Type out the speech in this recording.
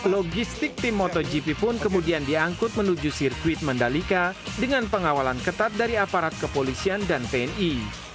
logistik tim motogp pun kemudian diangkut menuju sirkuit mandalika dengan pengawalan ketat dari aparat kepolisian dan tni